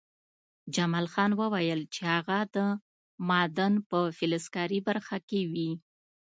جمال خان وویل چې هغه د معدن په فلزکاري برخه کې وي